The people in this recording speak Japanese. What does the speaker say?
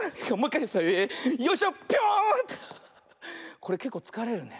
これけっこうつかれるね。